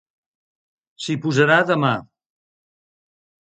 S'hi posarà demà.